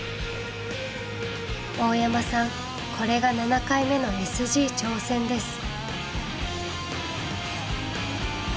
大山さんこれが７回目のＳＧ挑戦です。